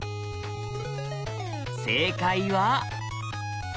正解は。